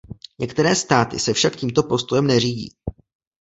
Některé státy se však tímto postojem neřídí.